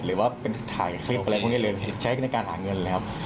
หรือว่าเป็นถ่ายคลิปอะไรพวกนี้เลยใช้ในการหาเงินแล้ว